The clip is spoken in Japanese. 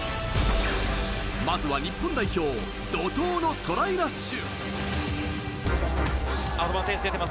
まずは日本代表、怒涛のトライラッシュ。